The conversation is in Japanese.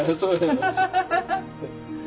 ハハハハハ！